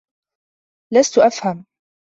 لست أفهم.